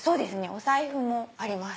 お財布もあります。